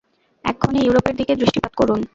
এক্ষণে ইউরোপের দিকে দৃষ্টিপাত করুন।